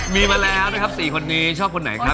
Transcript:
มีมาแล้วนะครับ๔คนนี้ชอบคนไหนครับ